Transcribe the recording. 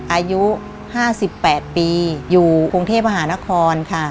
อายุ๕๘ปีอยู่กรุงเทพมหานครค่ะ